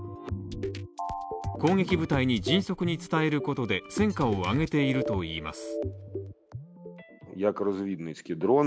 攻撃部隊に迅速に伝えることで、戦果を上げているといいます。